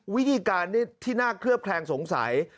วิธีการที่น่าเคลือบแคลงสงสัย